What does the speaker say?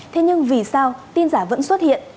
thế nhưng vì sao tin giả vẫn xuất hiện